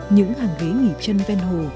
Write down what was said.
những hàng ghế nghỉ chân ven hồ